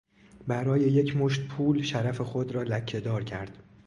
برای یک مشت پول شرف خود را لکهدار کرد.